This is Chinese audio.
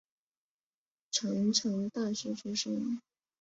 成城大学出身。